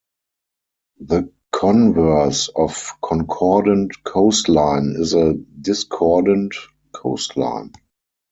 The converse of concordant coastline is a discordant coastline.